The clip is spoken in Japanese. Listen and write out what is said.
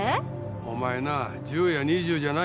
お前な１０や２０じゃないんだよ